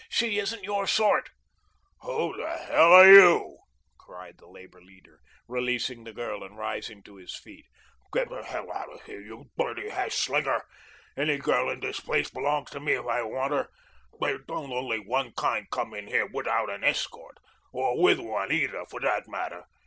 "She isn't your sort." "Who the hell are you?" cried the labor leader, releasing the girl and rising to his feet. "Get the hell out of here, you dirty hash slinger! Any girl in this place belongs to me if I want her. There don't only one kind come in here without an escort, or with one, either, for that matter.